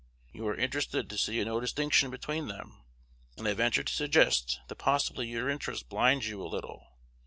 You are interested to see no distinction between them; and I venture to suggest that possibly your interest blinds you a little.